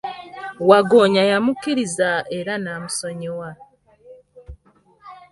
Waggoonya yamukiriza era namusonyiwa.